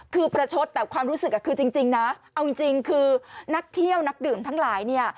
คือประชดแต่ความรู้สึกคือจริงนะเอาจริงคือนักเที่ยวนักดื่มทั้งหลายเนี่ย